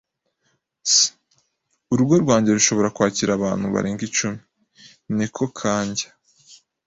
[S] Urugo rwanjye rushobora kwakira abantu barenga icumi. (NekoKanjya)